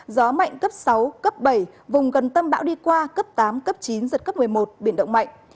gió mạnh cấp sáu cấp bảy vùng gần tâm bão đi qua cấp tám cấp chín giật cấp một mươi một biển động mạnh